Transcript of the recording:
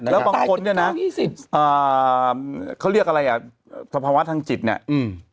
แล้วบางคนเนี้ยนะอ่าเขาเรียกอะไรอ่ะภาพวาททางจิตเนี้ยอืม